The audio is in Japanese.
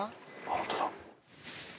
本当だ。